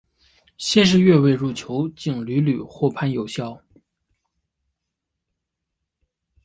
先是越位入球竟屡屡获判有效。